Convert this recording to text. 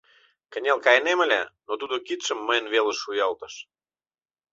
Кынел кайынем ыле, но тудо кидшым мыйын велыш шуялтыш: